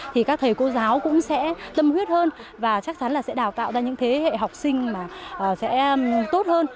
thì các thầy cô giáo cũng sẽ tâm huyết hơn và chắc chắn là sẽ đào tạo ra những thế hệ học sinh mà sẽ tốt hơn